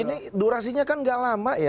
ini durasinya kan gak lama ya